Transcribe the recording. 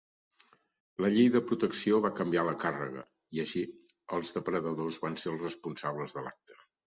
La Llei de Protecció va canviar la càrrega, i així, els depredadors van ser els responsables de l'acte.